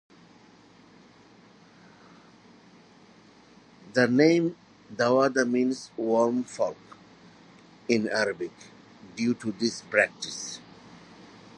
The name Dawada means "worm-folk" in Arabic due to this practice.